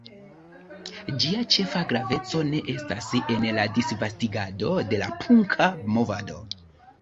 Ĝia ĉefa graveco ne estas en la disvastigado de la punka movado.